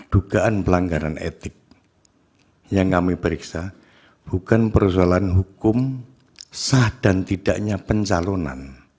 dugaan pelanggaran etik yang kami periksa bukan persoalan hukum sah dan tidaknya pencalonan